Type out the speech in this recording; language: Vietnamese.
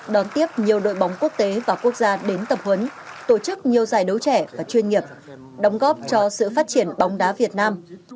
đón tiếp nhiều đội bóng quốc tế và quốc gia đến tập huấn tổ chức nhiều giải đấu trẻ và chuyên nghiệp đóng góp cho sự phát triển bóng đá việt nam